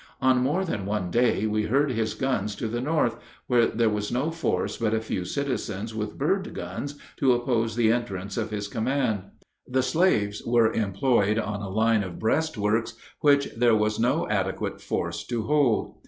On more than one day we heard his guns to the north, where there was no force but a few citizens with bird guns to oppose the entrance of his command. The slaves were employed on a line of breastworks which there was no adequate force to hold.